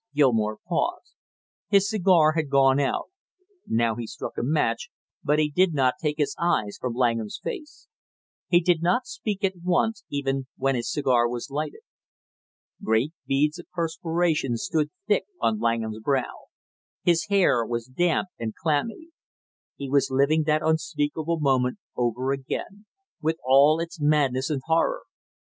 Gilmore paused. His cigar had gone out; now he struck a match, but he did not take his eyes from Langham's face. He did not speak at once even when his cigar was lighted. Great beads of perspiration stood thick on Langham's brow, his hair was damp and clammy. He was living that unspeakable moment over again, with all its madness and horror.